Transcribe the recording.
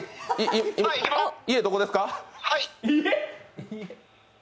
家どこですか？